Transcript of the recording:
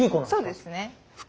そうですね。